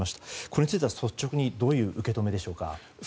これについては率直にどういう受け止めですか？